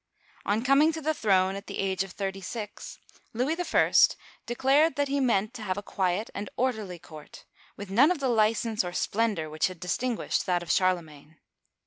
On coming to the throne at the age of thirty six, Louis I. declared that he meant to have a quiet and orderly court, with none of the license or splendor which had distin guished that of Charlemagne.